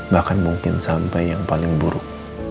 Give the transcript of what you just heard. bahkan mungkin sampai yang paling buruk